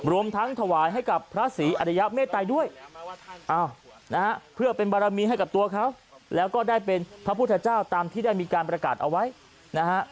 รวมทั้งถวายให้กับพระศรีอริยเมตัยด้วยนะฮะเพื่อเป็นบารมีให้กับตัวเขาแล้วก็ได้เป็นพระพุทธเจ้าตามที่ได้มีการประกาศเอาไว้นะฮะ